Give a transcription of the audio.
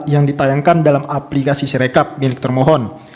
yang ditayangkan dalam aplikasi sirekap milik termohon